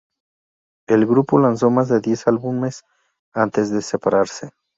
El grupo lanzó más de diez álbumes antes de separarse.